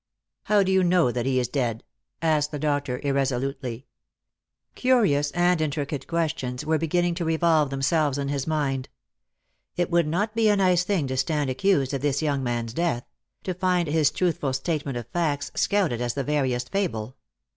"How do you know that he is dead? " asked the doctor irre 'Lost for Love. 161 ■olutely. Curious and intricate questions were beginning to revolve themselves in his mind. It would not be a nice thing to stand accused of this young man's death — to find his truthful statement of facts scouted as the veriest fable.